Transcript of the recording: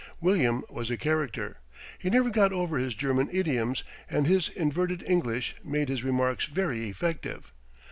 William was a character. He never got over his German idioms and his inverted English made his remarks very effective.